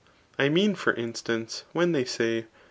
I me^Ot |br instance, when they say.